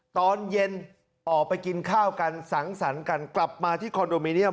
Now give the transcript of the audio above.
ตอนเย็นออกไปกินข้าวกันสังสรรค์กันกลับมาที่คอนโดมิเนียม